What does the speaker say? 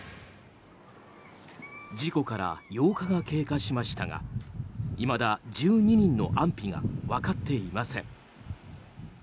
事故から８日が経過しましたがいまだ１２人の安否がわかっていません。